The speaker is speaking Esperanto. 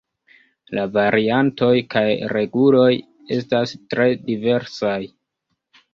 La variantoj kaj reguloj estas tre diversaj.